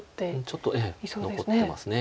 ちょっと残ってます。